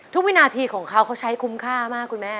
วินาทีของเขาเขาใช้คุ้มค่ามากคุณแม่